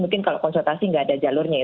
mungkin kalau konsultasi nggak ada jalurnya ya